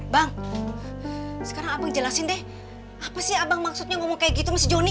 bang sekarang abang jelasin deh apa sih abang maksudnya ngomong kayak gitu mas joni